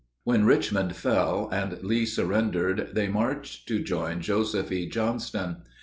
When Richmond fell, and Lee surrendered, they marched to join Joseph E. Johnston.